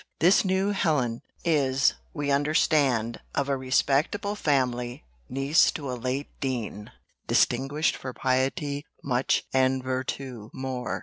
This new Helen is, we understand, of a respectable family, niece to a late dean, distinguished for piety much and virtù more.